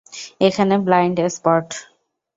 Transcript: এখানে blind spot.